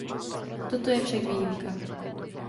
Toto je však výjimka.